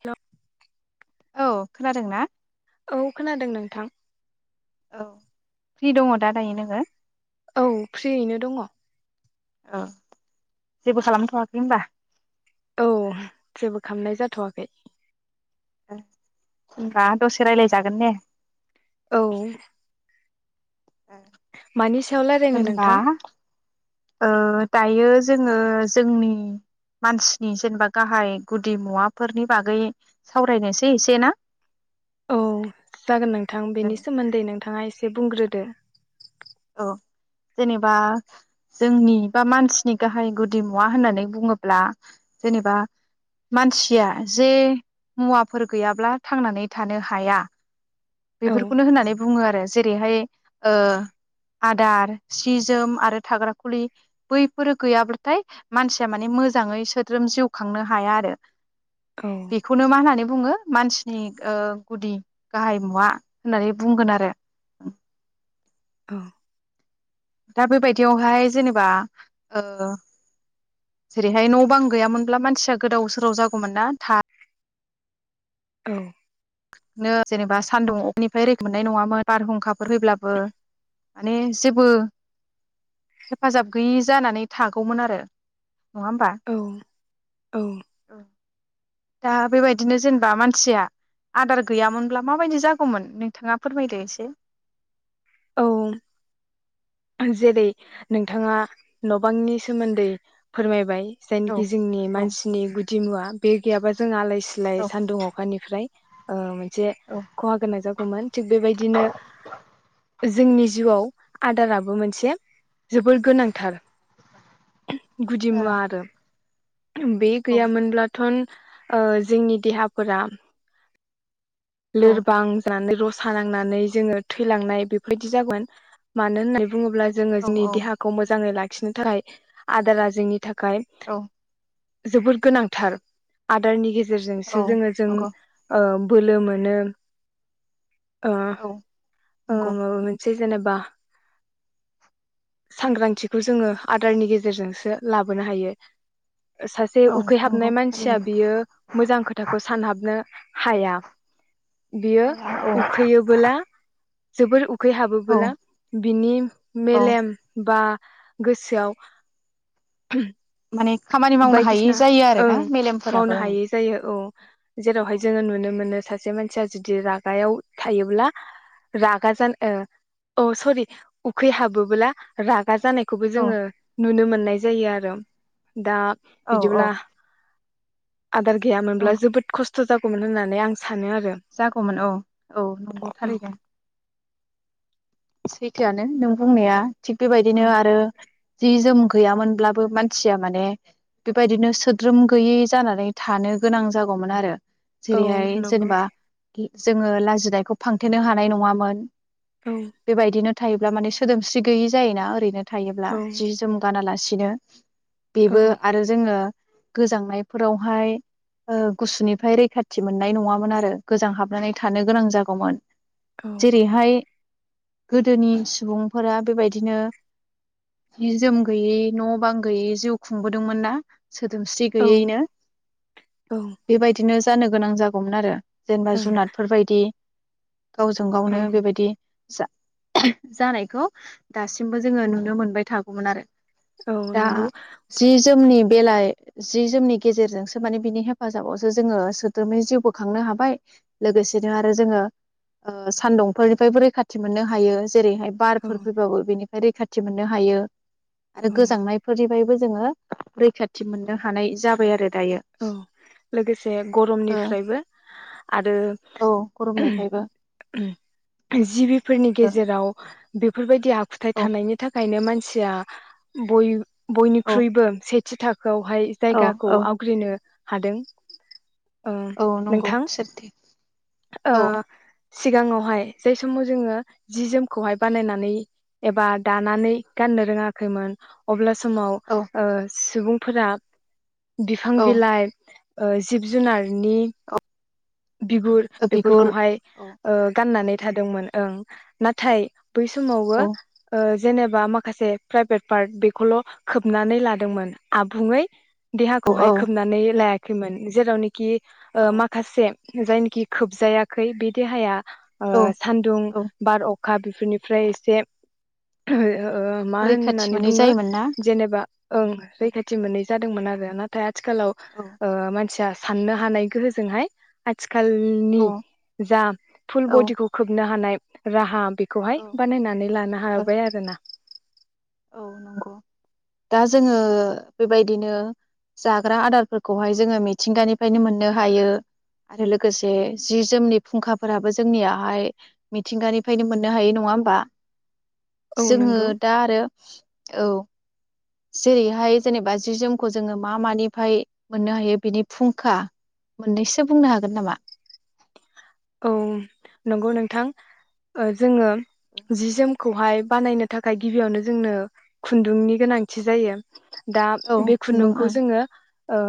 Hello औ खोनादों ना? औ खोनादों नोंथां औ फ्रि दङ दा दायो नोङो औ फ्रियैनो दङ औ जेबो खालामथ'वाखै होनबा? औ जेबो खालामनाय जाथ'वाखै। होनबा दसे राय्लायजागोन ने औ। मानि सायाव रायलायनो होनबा नोंथां ओ। दायो जोङो जोंनि मानसिनि जेनेबा गाहाय गुदि मुवाफोरनि बागै सावरायनोसै एसे ना। औ जागोन नोंथां बेनि सोमोन्दै नोंथाङा ए से बुंग्रोदो। औ जेनेबा जोंनि बा मानसिनि गाहाय गुदि मुवा होननानै बुङोब्ला जेनेबा मानसिया जे मुवाफोर गैयाब्ला थांनानै थानो हाया। औ बेफोरखौनो होनानै बुङो आरो जेरैहाय ओ आदार सि जोम आरो थाग्रााखुलि बैफोरो गैयाब्लाथाय मानसिया माने मोजाङै सोद्रोम जिउ खांनो हाया आरो। औ बेखौनो मा होननानै बुङो मानसिनि ओ गुदि गाहाय मुवा होननानै बुंगोन आरो। औ। दा बेबायदियावहाय जेनेबा ओ जेरैहाय न' बां गैयामोनब्ला मानसिया गोदाव सोराव जागौमोन ना था औ। नो जेनेबा सानदुं अफनिफ्राय रैख मोननाय नङामोन बारहुंखाफोर फब्लाबो माने जेबो हेफाजाब गैयि जानानै थागौमोन आरो। नङा होमबा? औ दा बेबायदिनो जेनेबा मानसिया। आदार गैयामोनब्ला माबायदि जागौमोन नोंथाङा फोरमायदो एसे। औ जेरै नोंथाङा न' बांनि सोमोन्दै फोरमायबाय। औ जायनाखि जोंनि औ मानसिनि गु दि मुवा बे गैयाबा जों आलाय सिलाय औ सान्दुं अखानिफ्राय ओ मोनसे औ खहा गोनां जागौमोन थिग बेबायदिनो जोंनि जिउआव आदाराबो मोनसे जोबोर गोनांथार। गुदि औ मुवा आरो। बे औ गैयामोनब्लानथन ओ जोंनि देहाफोरा। लोरबां जानो सा नांनानै जोङो थैलांनाय बेफोरबायदि जागोन मानो होननाय। बुङोब्ला जो औ जोंनिहाखौ लाखिनो थाखाय आदार जोंनि थाखाय औ गाय जोबोद गोनांथार आदारनि गेजेर औ जोंसो जोङो जों नंगौ ओ बोलो मो नो औ ओ नंगौ मोनसे जेनेबा सांग्रांथिखौ जोङो आदारनि गेजेरजोंसो लाबोनो हायो। सासे औ नंगौ उखैहाबनाय मानसिया थारैनो बियो मोजां खोथाखौ सानहाबनो हाया बियो हाया औ उखैयोबोला जोबोर उ औ उखैहाबोबोला बिनि औ मेलेम बा गोसोआव माने खामानि मावनो हायि बायदिसिना जायो आरोना ओं मेलेमफोराबो मावनो हायै जायो औ जेरावहाय ओं जोङो नुनो मोनो सा से मानसिया जुदि रागायाव थायोब्ला रागा जान ओ अ सरि उखैहाबोबोला राग जानायखौबो औ जोङो नुनो मोनो नाय जायो आरो दा औ औ औ बिदिब्ला आदार औ गैयामोनब्ला जोबोद खस्थ' थ' जागौमोन होननानै आं सान जागौमोन औ औ नंगौ औ थारैनो। सैथोआनो नों बुंनाया। थिग औ बेबायदिनो आरो जि जोम गैयामोनब्लाबो मानसिया माने बेबायदिनो सोद्रोम गैयै जानानै थानो गोनां जागौमोन आरो औ जेरैहाय नंगौ जेनेबा गि जोङो लाजिनायखौ फांथेनो हानाय नङामोन। औ बेबायदिनोद थायोब्ला माने सोदोमस्रि गैयि जायोना ओरैनो औ थायोब्ला जि जोम गानालासि दिनो बेबो आरो जोङो गोजांनायफोरावहाय ओ गुसुनिफ्राय रैखाथि मोननाय नङामोन आरो गोजां हाबनानै थानो गोनां जागौमोन। औ जेरैहाय गोदोनि सुबुंफोरा बेबायदिनो जि जोम गैयै न' बां गोयै जिउ खुंबोदोंमोन ना? सोदोमस्रि औ गैयैनो औ बेबायदिनोस जानो गोनां जागौमोन आरो जेनेबा ओं जुनादफोर बायदि गावजों औ गावनो बेबायदि जा [unintelligible] जानायखौ दासिमबो जोङो नुनो मोनबाय थागौमोन आरो औ दा नंगौ जि जोमनि बेलाइ जि जोमनि गेजेरजोंसो माने बिनि हेफाजाबावसो जोङो सोद्रोमै जिउबो खांनो हाबाय लोगोसेनो आरो जोङो ओ सान्दुंफोरनिफ्रायबो रैखाथि थि मोननो हायो स जेरैहाय औ बारफोर फैबाबो बेनि रैखाथि मोननो हायो। आरो औ गोजांनायफोरनिफायबो स जोङो रैखाथि मोननो हानाय जाबाय आरो दायो औ लोगोसे ओ गरमनिफ्रायबो आरो औ गरमनिफ्रायबो [unintelligible] जिबिफोरनि ओ गेजेराव बेफोरबायद दि आखुथाय थानायनि थाखायनो मानसि सिया बय औ बयनिख्रुइबो सेथ जिथाख खौहाय औ जायगाखौ औ आव नो हादों। ओ औ नंगौ नोंथां सोरथि ओ औ सिगाङावहाय जाय समाव जोङो जि जोमखौहाय बानायनानै एबा दानानै गाननो रोङाखैमोन अब्ला ज समाव औ ओ सुबुंफोरा बिफां औ बिलाइ ओ जिब जुनार नि बिगुर औ बिगुर बेफोरखौहाय औ ओ गाननानै थादोंमोन ओं नाथाय बै समावबो औ ओ जेनेबा माखासे प्राइभेट पार्ट बेखौल' खोबनानै लादोंमोन आबुंङै औ देहाखौहाय औ खोबनानै लाया खैमोन जेरावनि कि औ ओ माखासे जायनोखि खोबजायाखै बे देहाया ओ औ सान्दुं औ बार अख अखा बेफोरनिफ्राय एसे ओ ओ ओ मा रैखाथि होननानै मोनै बुङो जायोमोन ना जेनेबा ओं औ रैखाथि मोनै जादोंमोन आरो नाथाय आथ आथिखालाव औ ओमानसिया साननो हानाय गोहोजोंहाय आथि आथिखालनि औ जा फुल बडिखौ खोबनो हानाय राहाम बेखौहाय औ बानायनानै लानो हाबाय आरोना औ नंगौ दा जोङो बेबायदिनो जाग्रा आदारफोरखौहाय जोङो मिथिंगानिफ्रायनो मोननो हायो आरो लोगोसे जि जोमनि फुंखाफोराबो जोंनियाहाय मिथिंगानिफ्रायनो मोननो हायो नङा होमबा औ जोङो नंगौ दा आरो औ जेरैहाय जेनेबा जि जोमखौ जोङो मा मानिफ्राय मोननो हायो बेनि फुंखा मोननैसो बुंनो हागोन नामा औ नंगौ नोंथां ओ जोङो जि जोम खौहाय बानायनो थाखाय गिबियावनो जोंनो खुन्दुंनि गोनांथि जायो दा औ बे खुन्दुं खुन्दुंखौ ओं जोङो ओ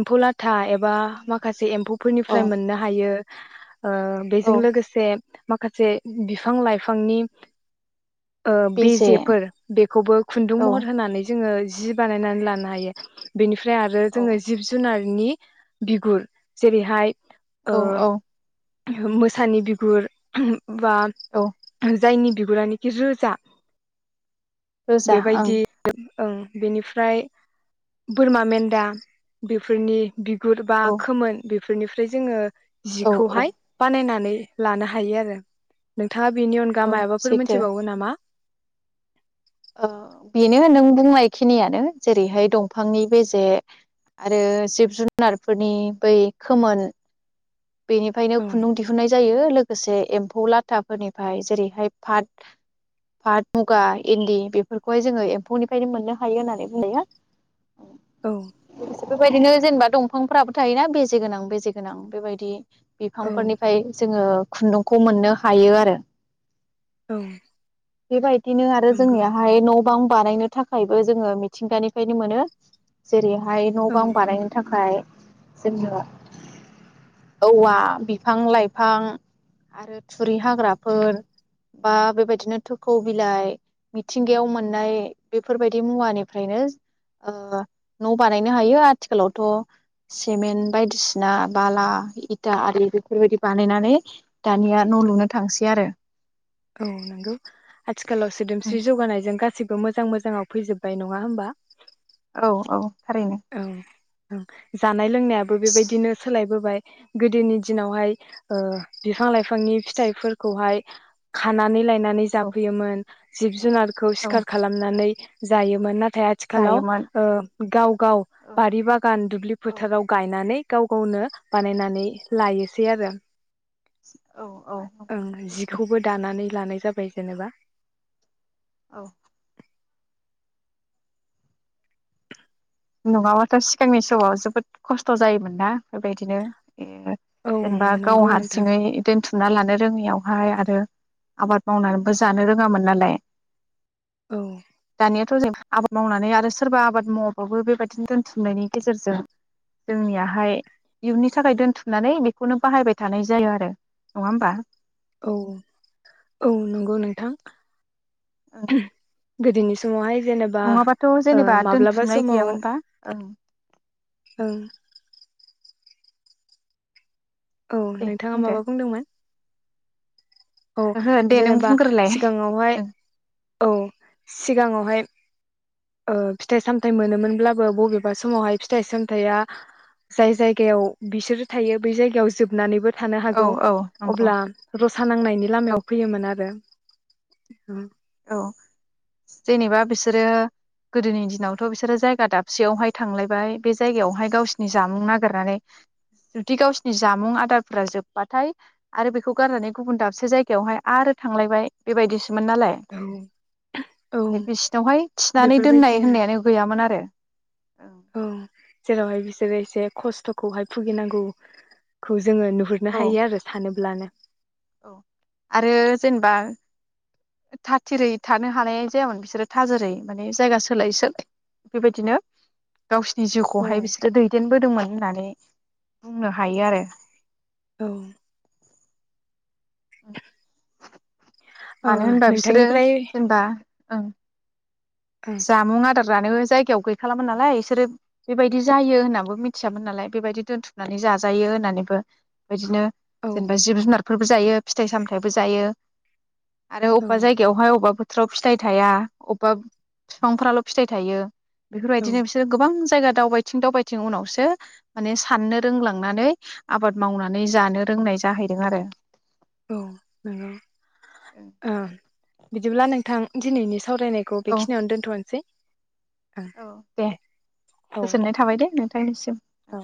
एम्फौ लाथा एम बा माखासे औ एम्फौफोरनिफ्राय मोननो हायो ओ औ बेजों लोगोसे माखासे बिफां लाइफांनि ओ बेजे बेजेफोर बेखौबो खुन्दुं औ महर होनानै जो बानायनानै लानो हायो बेनि फ्राय आरो जोङो औ जिब जुनार नि बिगुर जेरैहाय ओ औ औ मोसानि बिगुर बा औ [unintelligible] जायनि बिगुरानिखि रोजा रोजा ओं बेबायदि ओं बेनिफ्राय बोरमा मेन्दा बेफोरनि बिगुर बा औ खोमोन बे बेफोरनिफ्राय जोङो औ औ जिखौहाय बानायनानै लानो हायो आरो नोंथाङा बेनि अनगा औ मायबाफोर सैथो मोनथिबावगौ नामा? ओ बेनो नों बुंनाय खिनियानो जेरैहाय दंफांनि बेजे आरो जिब जुनारफोरनि बै खोमोन बेनिफ्रायनो औ खुन्दुं दिहुननाय जायो लोग गोसे एम्फौ लाथाफोरनिफ्राय जेरैहाय फाट फाट मुगा इन्दि बेफोरखौहाय जोङो एम्फौनिफ्रायनो मोननो हायो होननानै बुंजायो। औ बेबायदिनो जेनेबा दंफांफोराबो थाय ना बेजे गोनां बेजे गोनां बेबायद दि औ बिफांफोरनिफ्राय जोङो खुन्दुंखौ मोननो हायो आरो। औ बिबायद दिनो आरो नंगौ जोंनियाहाय न' गोबां बानायनो थाखायबो जोङो मिथिंगानिफ्रायनो मोनो जेरै बाहाय न' औ बां बानायनो थाखाय जोंनो औवा बिफां लाइफां आरो थुरि हाग्राफोर बा बेबायदिनो थोखौ बिलाइ मिथिंगायाव मोननाय बेफोरबायदि मुवानिफ्रायनो ओ न' बानायनो हायो। आथिखालावथ' सिमेन्ट बायदिसिना बाला इथा आरि बेफोरबायदि बानायनानै दानिया न' लुनो थांसै आरो औ नोंगौ आथिखालाव सोदोमस्रि जौगानायजों गास सिबो मोजां मोजाङाव फैजोबबाय नङा होमबा। औ औ। थारैनो औ। जाब जानाय लोंनायाबो बेबायदिनो सोलायबोबाय। गोदोनि दिनावहाय ओ बिफां लाइफांनि फिथाइफोरखौहाय खानानै लाय नानै औ जाफैयोमोन। जिब जुनार खौ औ सिखार खालामनानै। जायोमोन ना थाय आथिखालाव जायोमोन ओ गाव औ बारि बागान दुब्लि औ फोथाराव गाय नानै गाव गावनो बानायनानै लायोसै आरो। औ औ नंगौ ओं सैथो जिखौबो दानानै लानाय जाबाय जेनेबा। औ। [inaudible] नङाबाथ' सिगांनि समाव जोबोद खस्थ' जायोमोन ना। बेबायदिनो औ जेनेबा गाव नंगौ नोंथां हारसिङै दोनथुमना लानो। जोंनियावहाय आरो आबाद मावनानैबो जानो रोङामोन नालाय । औ ' नायाथ जों आबाद मावनानै आरो सोरबा आबाद माव बखौबो बेबायदिनो दोन्थुमनायनि गेजेरजों जोंनियाहाय इयुननि थाखाय दोनथुमनानै बेखौनो बाहायबाय थानाय जायो आरो। नङा होमबा? औ औ नंगौ नोंथां। औ। गोदोनि समावहाय जेनेबा नङाबाथ' ओ जेनेबा माब्लाबा दोनथुमनाय गैयामोनबा ओं। औ। औ दे नोंथाङा बुंदो माबा बुंदोंमोन? औ ओहो दे नों जेनेबा बुंग्रोलाय सिगाङावहाय औ सिगाङावहाय। ओ फिथाइ सामथाय मोनोमोनब्लाबो बबेबा समावहाय फिथाइ सामथायाइया जाय जायगायाव बिसोरो थायो, बै जायगायाव जोबनानैबो थानो हागौ ओं औ नंगौ अब्ला रसा नांनाय औ लामायाव फैयोन आरो । उम। औ जेनेबा बिसोरो गोदोनि दिनावथ' बिसोरो जायगा दाबसेयावहाय थांलायबाय, बे जायगायावहाय गावसिनि जामुं नागिरनानै जुदि गावसिनि जामुं आदारफोरा जोब्बाथाय। आरो बेखौ गारनानै गुबुन दाबसे जायगायावहाय आरो थांलायबाय बेबायदिसोमोन नालाय । औ बेसिनावहाय थिनानै बेफोरबायदि दोननाय होननायानो गैयामोन आरो, औ। जेरैसे खस्थ'खौहाय भुगिनांगौ। जोङो नुहुरनो औ हायो आरो सान फ्लानो। औ आरो जेनेबा था थिरै थानो हानाय जायामोन बिसोरो थाजोरै माने जायगा सोलाय सोलाय बेबायदिनो गावसिनि औ जिउखौहाय बिसोरो दैदेनबोदोंमोन होननानै बुंनो हायो आरो। औ ओ मानो होनबा बिसोरो नोंथांनिफ्राय जेनेबा ओं। औ जामुं आदार जानो जायगायाव गैखालामोन नालाय बिसोरो बेबायदि जायो होननानैबो मिथियामोन नालाय बेबायदि दोनथुमनानै जाजायो होननानैबो बिदिनो औ जेनेबा जिब जुनारफोर । जायो फिथाइ सामथायबो जायो। आरो औ अबेबा जायगायावहाय अबेबा थ्राव फिथाइ थाया अबेबा बिफांफोराल' फिथाइ थायो। औ बेफोरबायदिनो बिसोरो गोबां जायगा दावबायथिं दावबायथिं उनावसो माने साननो रोंलांनानै आबाद मावनानै जानो रोंनाय जाहैदों आरो औ नोंगौ ओ- बिदिब्ला नोंथां दिनैनि सावरायनायखौ औ बेखिनियावनो दोनथ'नोसै। ओं औ दे औ गोजोननाय थाबाय दे नोंथ थांनिसिम। औ